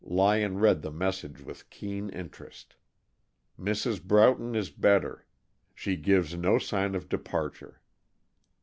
Lyon read the message with keen interest, "Mrs. Broughton is better. She gives no signs of departure."